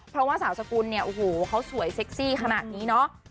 เพราะว่าสาวสกุลสวยเศ็กซี่ขนาดนี้นะ